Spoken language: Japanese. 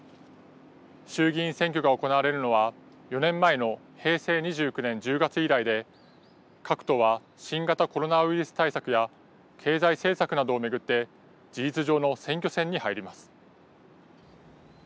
衆議院選挙が行われるのは４年前の平成２９年１０月以来で各党は新型コロナウイルス対策や経済政策などを巡って事実上の選挙戦に入ります。